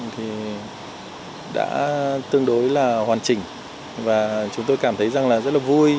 thì đã tương đối là hoàn chỉnh và chúng tôi cảm thấy rằng là rất là vui